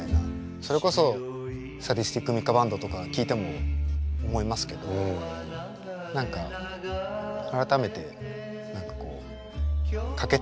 それこそサディスティック・ミカ・バンドとか聴いても思いますけど何か改めてかけたいなと思って。